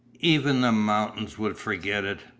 Even the mountains would forget it.